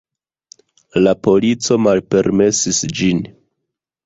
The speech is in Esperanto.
La polico malpermesis ĝin.